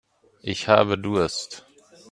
Ich habe Durst.